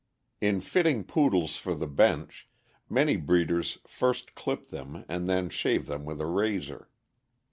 In fitting Poodles for the bench, many breeders first clip them and then shave them with a razor.